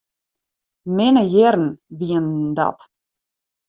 Minne jierren wienen dat.